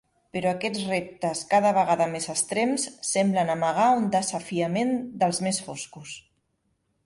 Però aquests reptes, cada vegada més extrems, semblen amagar un desafiament dels més foscos.